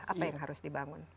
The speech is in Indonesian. apa yang harus dibangun